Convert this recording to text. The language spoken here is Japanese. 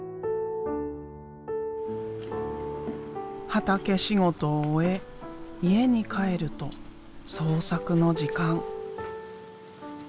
畑仕事を終え家に帰ると創作の時間。